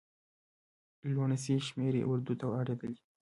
لوڼسې شمېرې اردو ته اړېدلي.